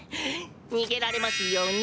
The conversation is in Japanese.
逃げられますように。